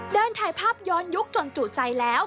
เดินถ่ายภาพย้อนยุคจนจุใจแล้ว